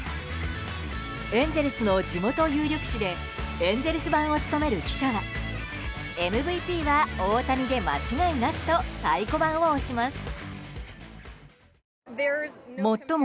エンゼルスの地元有力紙でエンゼルス番を務める記者はＭＶＰは大谷で間違いなしと太鼓判を押します。